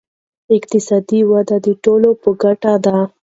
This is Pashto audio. اقتصادي وده د ټولو په ګټه ده.